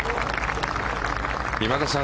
今田さん